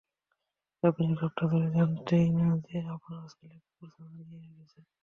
আপনি এক সপ্তাহ ধরে জানতেনই না যে, আপনার ছেলে কুকুরছানা নিয়ে রেখেছে।